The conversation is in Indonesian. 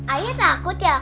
ayah takut ya